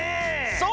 そう！